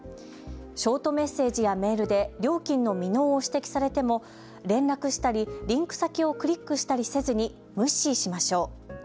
ショートメッセージやメールで料金の未納を指摘されても連絡したりリンク先をクリックしたりせずに無視しましょう。